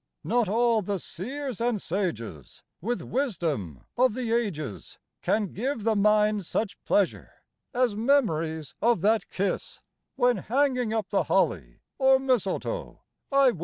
Not all the seers and sages With wisdom of the ages Can give the mind such pleasure as memories of that kiss When hanging up the holly or mistletoe, I wis.